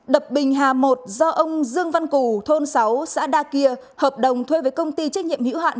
đập bình hà một do ông dương văn cù thôn sáu xã đa kia hợp đồng thuê với công ty trách nhiệm hữu hạn